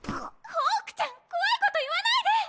ホークちゃん怖いこと言わないで！